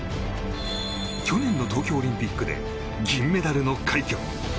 去年の東京オリンピックで銀メダルの快挙。